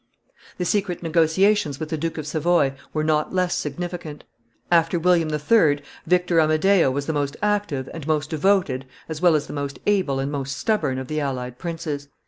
The secret negotiations with the Duke of Savoy were not less significant. After William III., Victor Amadeo was the most active and most devoted as well as the most able and most stubborn of the allied princes.